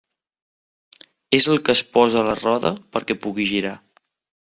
És el que es posa a la roda perquè pugui girar.